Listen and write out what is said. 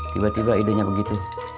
tiba tiba idenya begitu